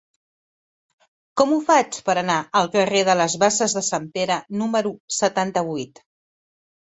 Com ho faig per anar al carrer de les Basses de Sant Pere número setanta-vuit?